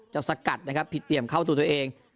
สกัดนะครับผิดเหลี่ยมเข้าตัวตัวเอง